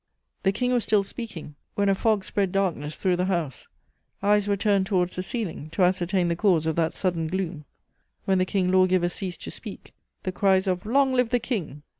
The King was still speaking, when a fog spread darkness through the house; eyes were turned towards the ceiling to ascertain the cause of that sudden gloom. When the King Lawgiver ceased to speak, the cries of "Long live the King!"